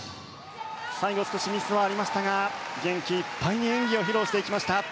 最後少しミスはありましたが元気いっぱいに演技を披露していきました。